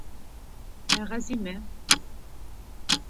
Ә Ғәзимә!